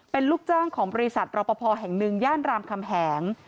เป็นลูกจ้างของบริษัทรอปภแห่งหนึ่งย่านรามคำแหง